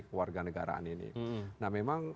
kewarganegaraan ini nah memang